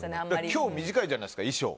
今日、短いじゃないですか衣装。